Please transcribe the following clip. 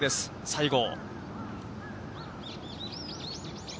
西郷。